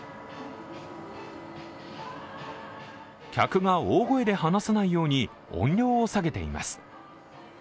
客が大声で話さないように音量を下げています。